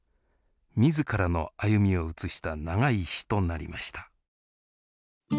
自らの歩みを写した長い詩となりました。